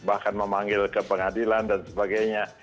bahkan memanggil ke pengadilan dan sebagainya